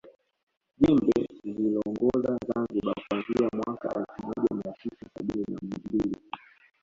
Jumbe aliiongoza Zanzibar kuanzia mwaka elfu moja mia tisa sabini na mbili